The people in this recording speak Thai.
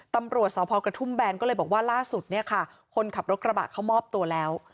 ตำรวจสพกระทุ่มแบนก็เลยบอกว่าล่าสุดเนี่ยค่ะคนขับรถกระบะเขามอบตัวแล้ว